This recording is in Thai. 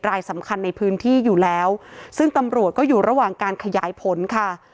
รายสำคัญในพื้นที่อยู่แล้วซึ่งตำรวจก็อยู่ระหว่างการขยายผลค่ะ